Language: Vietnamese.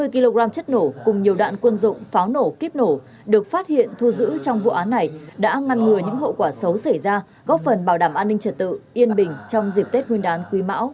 chín mươi kg chất nổ cùng nhiều đạn quân dụng pháo nổ kiếp nổ được phát hiện thu giữ trong vụ án này đã ngăn ngừa những hậu quả xấu xảy ra góp phần bảo đảm an ninh trật tự yên bình trong dịp tết nguyên đáng quý mão hai nghìn hai mươi ba